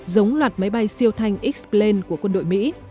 giống loạt máy bay siêu thanh x plane của quân đội mỹ